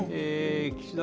岸田